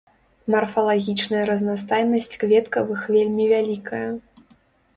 Марфалагічная разнастайнасць кветкавых вельмі вялікая.